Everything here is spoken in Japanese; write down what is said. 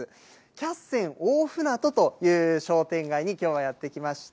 キャッセン大船渡という商店街にきょうはやって来ました。